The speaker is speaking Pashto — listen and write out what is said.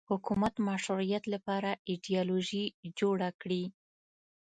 حکومت مشروعیت لپاره ایدیالوژي جوړه کړي